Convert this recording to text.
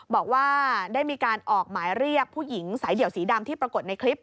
บอกว่าได้มีการออกหมายเรียกผู้หญิงสายเดี่ยวสีดำที่ปรากฏในคลิป